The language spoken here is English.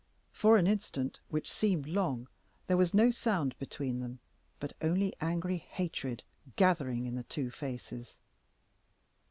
For an instant, which seemed long, there was no sound between them, but only angry hatred gathering in the two faces.